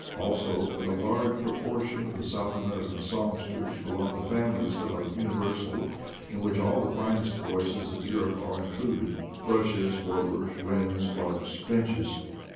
Also, that a large proportion of the South American songsters belong to families that are universal, in which all the finest voices of Europe are included — thrushes, warblers, wrens, larks, finches.